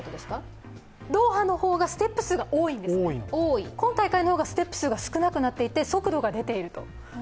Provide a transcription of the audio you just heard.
ドーハの方がステップ数が多いんです、今大会の方がステップ数が減っていて速度が出ていると。